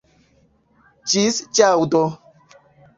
Ĝis ĵaŭdo!